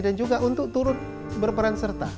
dan juga untuk turut berperan serta